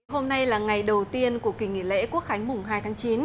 hôm nay là ngày đầu tiên của kỳ nghỉ lễ quốc khánh mùng hai tháng chín